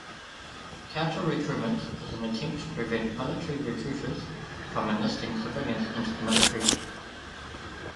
Counter-recruitment is an attempt to prevent military recruiters from enlisting civilians into the military.